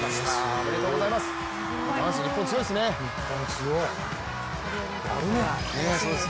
おめでとうございます。